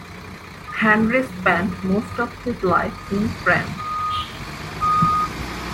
Henri spent most of his life in France.